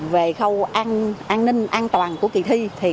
về khâu an ninh an toàn của kỳ thi